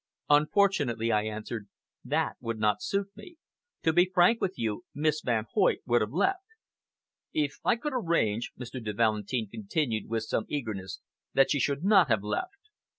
"Unfortunately," I answered, "that would not suit me. To be frank with you, Miss Van Hoyt would have left." "If I can arrange," Mr. de Valentin continued, with some eagerness, "that she should not have left!"